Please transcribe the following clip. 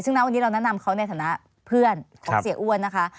ซึ่งนะวันนี้เราแนะนำเขาในฐานะเพื่อนของเสียอ้วนนะคะ